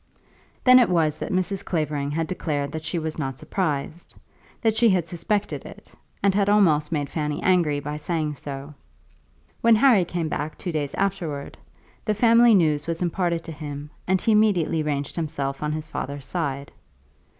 Then it was that Mrs. Clavering had declared that she was not surprised, that she had suspected it, and had almost made Fanny angry by saying so. When Harry came back two days afterwards, the family news was imparted to him, and he immediately ranged himself on his father's side.